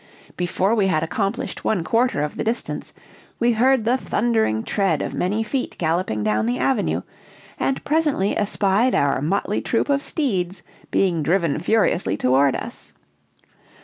Before we had accomplished one quarter of the distance, we heard the thundering tread of many feet galloping down the avenue, and presently espied our motley troop of steeds being driven furiously toward us.